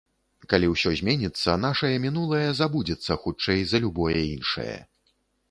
Калі ўсё зменіцца, нашае мінулае забудзецца хутчэй за любое іншае.